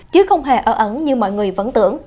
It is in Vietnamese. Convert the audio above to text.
chứ không hề ở ấn như mọi người vẫn tưởng